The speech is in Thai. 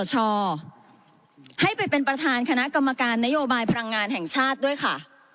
ให้ไปเป็นประธานคณะกรรมการนโยบายพลังงานแห่งชาติด้วยค่ะ